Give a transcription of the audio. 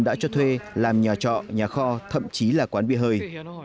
đã cho thuê làm nhà trọ nhà kho thậm chí là quán bia hơi